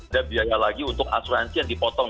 ada biaya lagi untuk asuransi yang dipotong